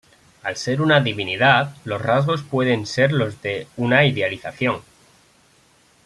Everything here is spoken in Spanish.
Al ser una divinidad los rasgos pueden ser los de una idealización.